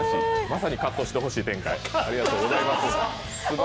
まさにカットしてほしい展開。